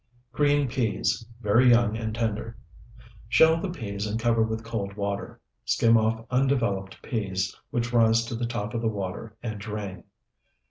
GREEN PEAS (VERY YOUNG AND TENDER) Shell the peas and cover with cold water; skim off undeveloped peas which rise to the top of the water and drain.